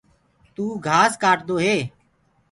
تو گھاس ڪآٽدو هي۔